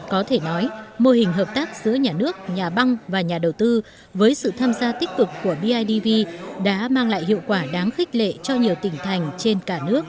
có thể nói mô hình hợp tác giữa nhà nước nhà băng và nhà đầu tư với sự tham gia tích cực của bidv đã mang lại hiệu quả đáng khích lệ cho nhiều tỉnh thành trên cả nước